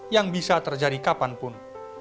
yang bisa terjadi kapanpun